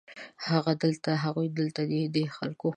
هغه دلته دی، هغوی دلته دي ، دې خلکو